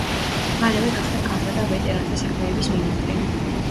მალევე გახდა ქალთა და ვეტერანთა საქმეების მინისტრი.